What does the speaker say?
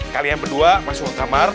kalian berdua masuk ke kamar